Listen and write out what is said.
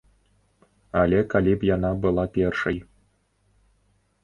Але калі б яна была першай.